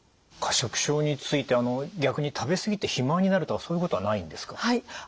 過食症について逆に食べ過ぎて肥満になるとかそういうことはないんですか？